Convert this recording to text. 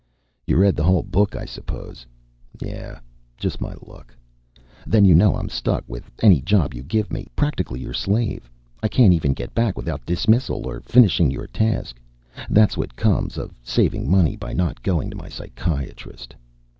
You read the whole book, I suppose? Yeah, just my luck. Then you know I'm stuck with any job you give me practically your slave. I can't even get back without dismissal or finishing your task! That's what comes of saving money by not going to my psychiatrist."